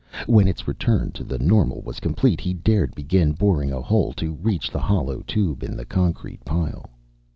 When its return to the normal was complete he dared begin boring a hole to reach the hollow tube in the concrete pile.